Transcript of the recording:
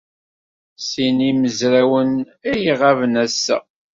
Sin n yimezrawen ay iɣaben ass-a.